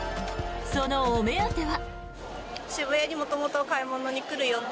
そのお目当ては。